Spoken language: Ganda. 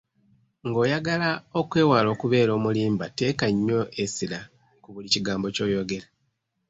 Ng'oyagala okwewala okubeera omulimba teeka nnyo essira ku buli kigambo ky'oyogera.